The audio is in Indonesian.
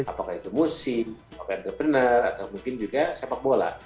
apakah itu musim entrepreneur atau mungkin juga sepak bola